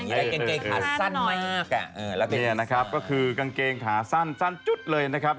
แถวนี้นะครับก็คือกางเกงขาสั้นจุ๊ดเลยนะครับ